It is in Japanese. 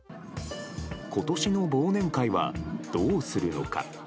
ことしの忘年会はどうするのか。